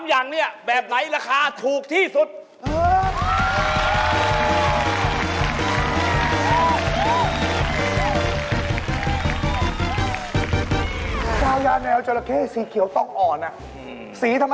ต้องปลูกก่อนงั้นจะโตไงใช่